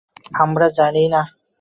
আমরা জানি না।